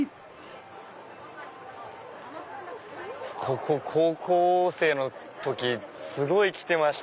ここ高校生の時すごい来てました。